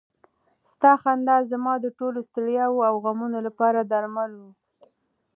ستا خندا زما د ټولو ستړیاوو او غمونو لپاره درمل و.